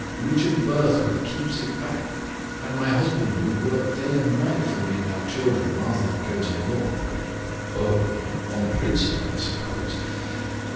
Richard Brithwood keeps it back; and my husband would work day and night for me and our children rather than go to law." "Oh! on principle, I suppose?